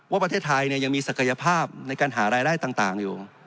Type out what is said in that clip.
ว่าประเทศไทยยังมีศักยภาพในการหารายได้ต่างอยู่